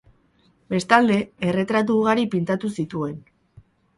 Bestalde, erretratu ugari pintatu zituen.